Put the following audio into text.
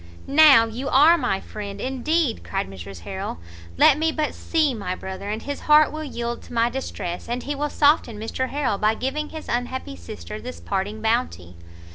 "Now you are my friend indeed!" cried Mrs Harrel, "let me but see my brother, and his heart will yield to my distress, and he will soften Mr Harrel by giving his unhappy sister this parting bounty."